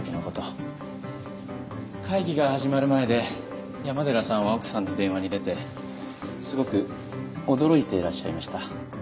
会議が始まる前で山寺さんは奥さんの電話に出てすごく驚いていらっしゃいました。